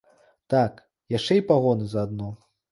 Так, яшчэ і пагоны заадно.